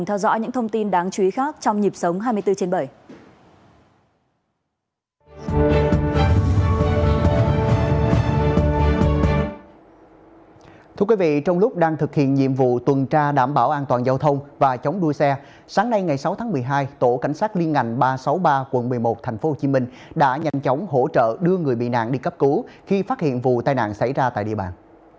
thưa quý vị trong lúc đang thực hiện nhiệm vụ tuần tra đảm bảo an toàn giao thông và chống đua xe sáng nay ngày sáu tháng một mươi hai tổ cảnh sát liên ngành ba trăm sáu mươi ba quận một mươi một tp hcm đã nhanh chóng hỗ trợ đưa người bị nạn đi cấp cứu khi phát hiện vụ tai nạn xảy ra tại địa bàn